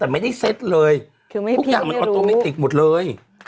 แต่ไม่ได้เซ็ตเลยคือไม่ให้พี่ก็ไม่รู้ทุกอย่างมันความตรงนิติกหมดเลย